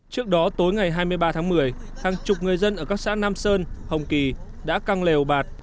trước đó tối ngày hai mươi ba tháng một mươi hàng chục người dân ở các xã nam sơn hồng kỳ đã căng lèo bạt